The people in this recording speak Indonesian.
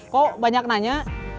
kok banyak nanya